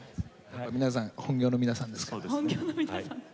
皆さん本業の皆さんですから。